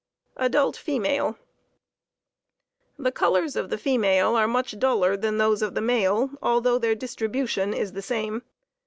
ADULT FEMALE The colors of the female are much duller than those of the male, although their distribution is the same.